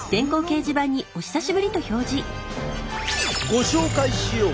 ご紹介しよう！